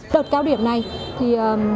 đợt cao điểm này vì